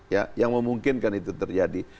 ya yang memungkinkan itu terjadi